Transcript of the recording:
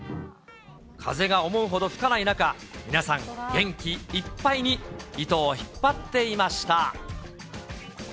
風が思うほど吹かない中、皆さん、元気いっぱいに糸を引っ張っていました。